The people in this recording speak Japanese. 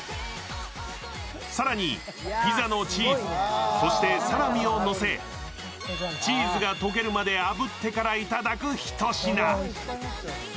更に、ピザのチーズ、そしてサラミをのせチーズがとけるまであぶってからいただく一品。